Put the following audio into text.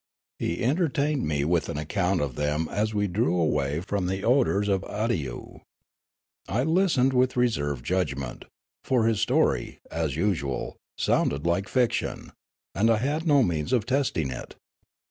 He entertained me with an account of them as we drew away from the odours of Awdyoo. I listened with reserve of judgment ; for his story, as usual, sounded like fiction ; and I had no means of testing it.